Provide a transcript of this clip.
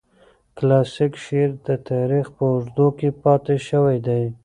کلاسیک شعر د تاریخ په اوږدو کې پاتې شوی دی.